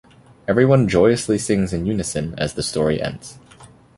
Everyone joyously sings in unison as the story ends.